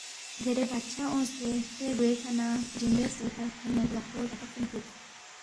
دیرے بادشاہ اونگسے ہرتے گوے کھہ نہ سنَمی(جِندوے) ہرژے کھہ تھونے منپو لقپو دفعہ خسُوم ترُودس